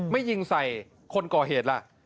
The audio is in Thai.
ยิงใส่คนก่อเหตุล่ะ